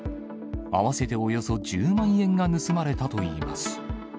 合わせておよそ１０万円が盗まれたといいます。